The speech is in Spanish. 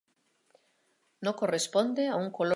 No corresponde a un color específico.